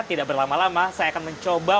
tidak berlama lama saya akan mencoba